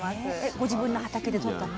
ご自分の畑でとったの？